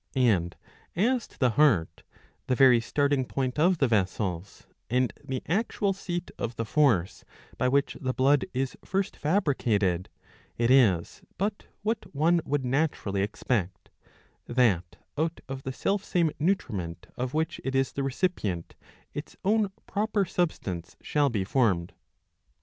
And as to the heart, the very starting point of the vessels, and the actual seat of the force by which the blood is first fabricated, it is but what one would naturally expect, that out of the selfsame nutriment of which it is the recipient its own proper substance shall be formed.'